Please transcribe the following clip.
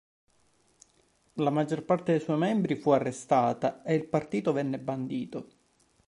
La maggior parte dei suoi membri fu arrestata e il partito venne bandito.